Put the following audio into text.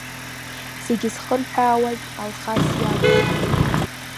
Зегьы зхырҳәаауаз Алхас иакәын.